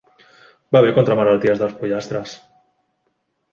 Va bé contra malalties dels pollastres.